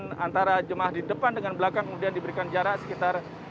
artinya antara jemah satu dan lainnya di sebelah kiri diberikan jarak sekitar satu meter